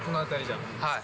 はい。